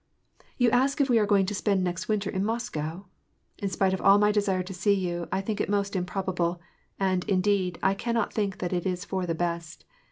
Tou ask if we are going to spend next winter in Moscow ? In spite of all my desire to see you, I think it most improbable; and, inde^i, I can not think tliat it is for the best.